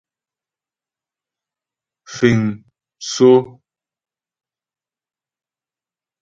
Fíŋ msó.